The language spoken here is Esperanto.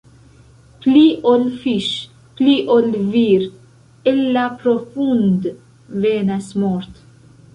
Pli ol fiŝ', pli ol vir', el la profund' venas mort'.